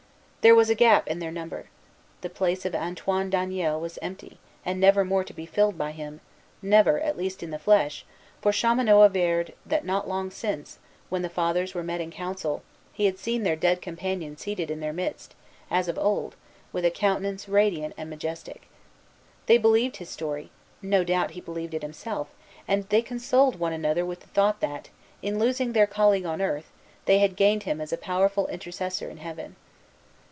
There was a gap in their number. The place of Antoine Daniel was empty, and never more to be filled by him, never at least in the flesh: for Chaumonot averred, that not long since, when the Fathers were met in council, he had seen their dead companion seated in their midst, as of old, with a countenance radiant and majestic. They believed his story, no doubt he believed it himself; and they consoled one another with the thought, that, in losing their colleague on earth, they had gained him as a powerful intercessor in heaven.